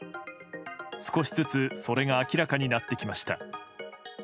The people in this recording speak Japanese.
少しずつそれが明らかになってきました。